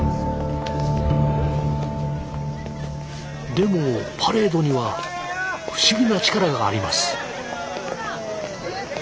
でもパレードには不思議な力があります。